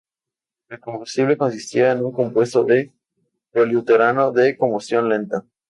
El combustible consistía en un compuesto de poliuretano de combustión lenta.